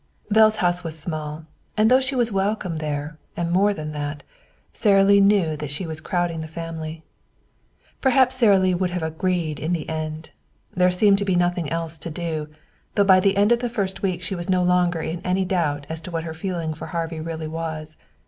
Belle's house was small, and though she was welcome there, and more than that, Sara Lee knew that she was crowding the family. Perhaps Sara Lee would have agreed in the end. There seemed to be nothing else to do, though by the end of the first week she was no longer in any doubt as to what her feeling for Harvey really was.